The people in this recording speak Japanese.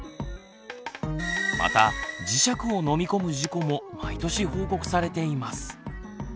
また磁石を飲み込む事故も毎年報告されています。